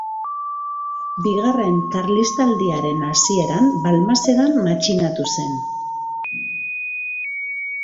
Bigarren Karlistaldiaren hasieran Balmasedan matxinatu zen.